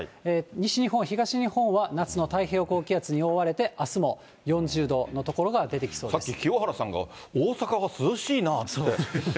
西日本、東日本は夏の太平洋高気圧に覆われて、あすも４０度の所が出てきそうです。